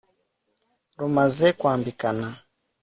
rumaze kwambikana